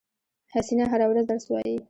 حسینه هره ورځ درس وایی